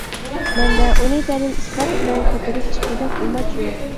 مەندە ئۇنى دەلىل ئىسپات بىلەن كۆتۈرۈپ چىققۇدەك ئۇماچ يوق.